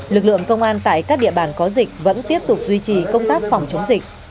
lực lượng công an tại các địa bàn có dịch vẫn tiếp tục duy trì công tác phòng chống dịch